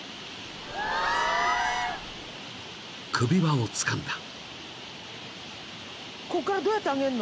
［首輪をつかんだ］